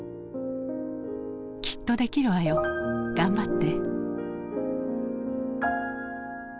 「きっとできるわよ。頑張って」。